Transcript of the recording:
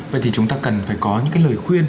vậy thì chúng ta cần phải có những cái lời khuyên